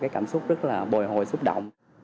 lại có xuất phúc như vậy